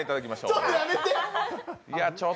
ちょっとやめて！